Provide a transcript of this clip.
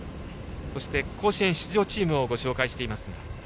そして甲子園出場チームをご紹介しています。